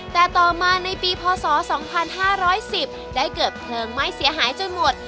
แต่ต่อมาในปีพศ๒๕๑๐ได้เกิดเพลิงไหม้เสียหายจนหมด